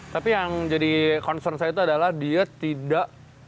tapi yang jadi concern saya itu adalah dia tidak